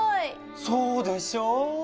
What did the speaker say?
そうでしょう。